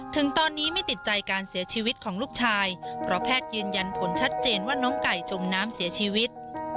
ถึงตอนนี้ไม่ติดใจการเสียชีวิตของลูกชายเพราะแพทย์ยืนยันผลชัดเจนว่าน้องไก่จมน้ำเสียชีวิต